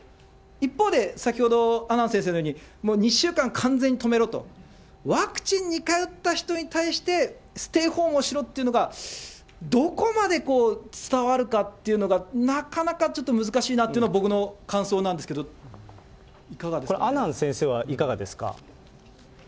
一方で、先ほど阿南先生のように、もう２週間完全に止めろと、ワクチン２回打った人に対してステイホームをしろっていうのが、どこまで伝わるかっていうのが、なかなかちょっと難しいなというのが僕の感想なんですけど、いか阿南先生はいかがですか。